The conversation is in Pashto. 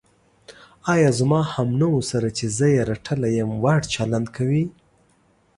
ایا زما همنوعو سره چې زه یې رټلی یم، وړ چلند کوې.